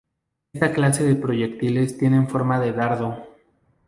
Esta clase de proyectiles tienen forma de dardo.